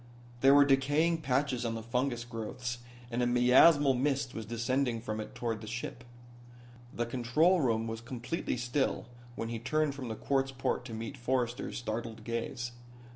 There were decaying patches on the fungus growths and a miasmal mist was descending from it toward the ship. The control room was completely still when he turned from the quartz port to meet Forrester's startled gaze.